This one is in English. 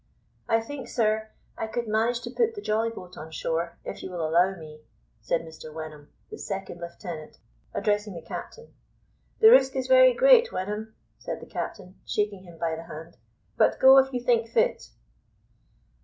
"I think, sir, I could manage to put the jolly boat on shore, if you will allow me," said Mr Wenham, the second lieutenant, addressing the captain. "The risk is very great, Wenham," said the captain, shaking him by the hand; "but go if you think fit."